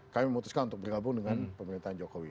kami memutuskan untuk bergabung dengan pemerintahan jokowi